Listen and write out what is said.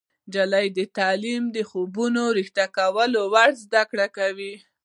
تعلیم نجونو ته د خوبونو رښتیا کول ور زده کوي.